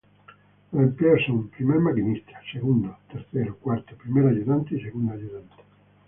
Los empleos son: primer maquinista, segundo, tercero, cuarto, primer ayudante y segundo ayudante.